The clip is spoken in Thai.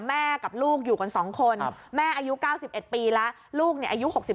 แม่กับลูกอยู่กัน๒คนแม่อายุ๙๑ปีแล้วลูกอายุ๖๒